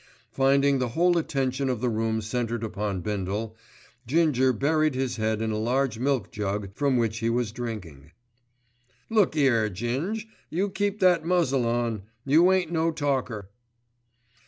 Finding the whole attention of the room centred upon Bindle, Ginger buried his head in a large milk jug from which he was drinking. "Look 'ere, Ging, you keep that muzzle on. You ain't no talker."